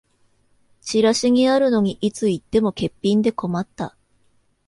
チラシにあるのにいつ行っても欠品で困った